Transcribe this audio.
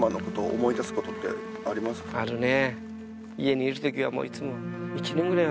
あるね。